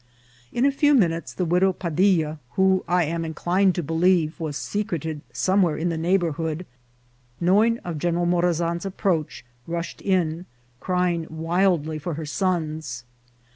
In a few minutes the widow Padil la, who, I am inclined to believe, was secreted some where in the neighbourhood, knowing of General Mora THEWIDOW'SSON. 87 zan's approach, rushed in, crying wildly for her sons.